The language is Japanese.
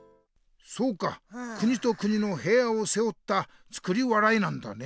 そうか国と国のへいわをせおった作り笑いなんだね。